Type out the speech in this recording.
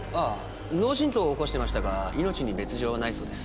脳しんとうを起こしてましたが命に別条はないそうです。